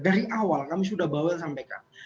dari awal kami sudah bawel sampai kan